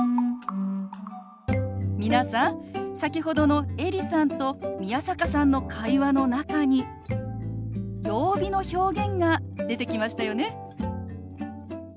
皆さん先ほどのエリさんと宮坂さんの会話の中に曜日の表現が出てきましたよね。